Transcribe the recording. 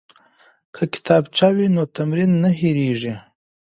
که کتابچه وي نو تمرین نه هیریږي.